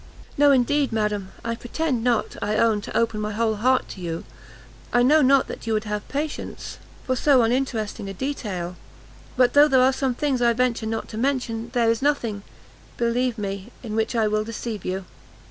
"No, indeed, madam; I pretend not, I own, to open my whole heart to you; I know not that you would have patience, for so uninteresting a detail; but though there are some things I venture not to mention, there is nothing, believe me, in which I will deceive you."